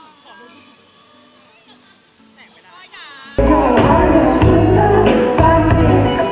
ฉันไม่เกือบที่ชีวิตจะมาลงรักไม่มีสิทธิ์ที่จะไหลและไม่ปลอด